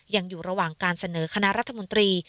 ยังอยู่ระหว่างการเสนอคณะรัฐมนตรี